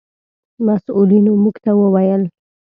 مسؤلینو موږ ته و ویل: